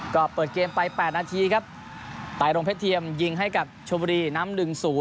ก็เปิดเกมไป๘นาทีครับไตรรงเพชรเทียมยิงให้กับชมบุรีน้ำ๑๐